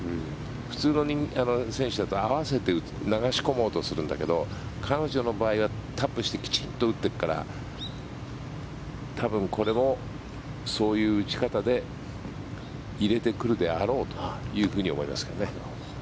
普通の選手だと合わせて打つ流し込もうとするんだけど彼女の場合はタップしてきちんと打ってるから多分これもそういう打ち方で入れてくるであろうというふうに思いますよね。